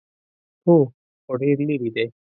_هو، خو ډېر ليرې دی.